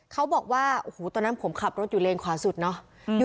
เขาบอกว่าโอ้โหตอนนั้นผมขับรถอยู่เลนขวาสุดเนาะ